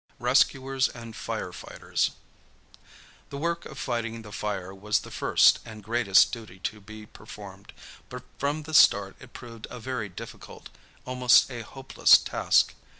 RESCUERS AND FIRE FIGHTERS. The work of fighting the fire was the first and greatest duty to be performed, but from the start it proved a very difficult, almost a hopeless, task.